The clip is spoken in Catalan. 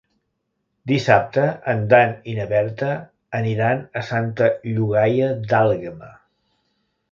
Dissabte en Dan i na Berta aniran a Santa Llogaia d'Àlguema.